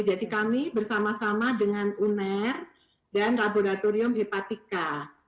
jadi kami bersama sama dengan uner dan laboratorium hepatika